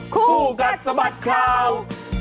คู่กัดสะบัดข่าว